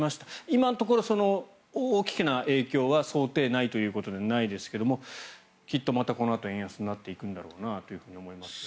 今のところ大きな影響は想定内ということでないですがきっとまたこのあと円安になっていくんだろうなと思います。